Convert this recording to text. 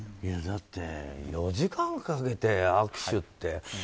だって、４時間かけて握手って。